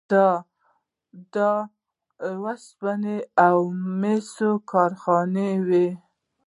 د وسپنې او مسو کارخانې وې